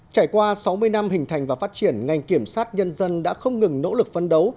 trải qua sáu mươi năm hình thành và phát triển ngành kiểm sát nhân dân đã không ngừng nỗ lực phấn đấu